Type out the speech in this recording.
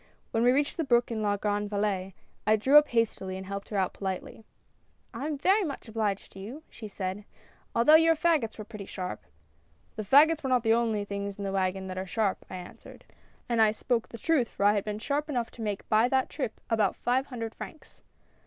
When we reached the brook in La Grande Vallee, I drew up hastily, and helped her out politely. "'I am very much obliged to you,' she said, 'although your fagots were pretty sharp.' A FISH SUPPER. 27 "' The fagots were not the only things in the wagon that are sharp,' I answered. " And I spoke the truth, for I had been sharp enough to make by that trip about five hundred francs."